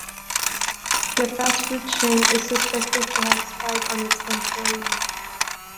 The fast-food chain is suspected to have spied on its employees.